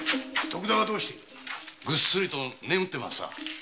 ぐっすりと眠ってまさあ。